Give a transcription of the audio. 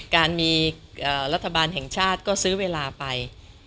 การมีรัฐบาลแห่งชาติก็ซื้อเวลาไป